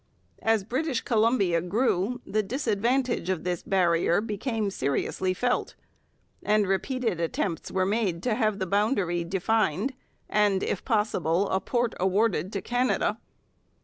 As British Columbia grew, the disadvantage of this barrier became seriously felt, and repeated attempts were made to have the boundary defined and, if possible, a port awarded to Canada.